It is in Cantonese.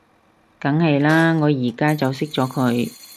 梗係喇，我而家就熄咗佢